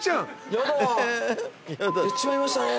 やっちまいましたね。